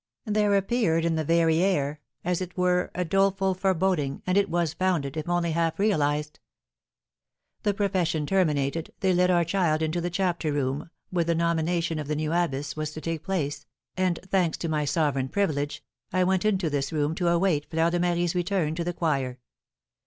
There appeared in the very air, as it were, a doleful foreboding, and it was founded, if only half realised. The profession terminated, they led our child into the chapter room, where the nomination of the new abbess was to take place, and, thanks to my sovereign privilege, I went into this room to await Fleur de Marie's return to the choir.